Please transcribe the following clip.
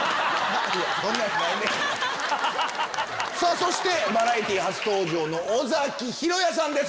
そしてバラエティー初登場の尾崎裕哉さんです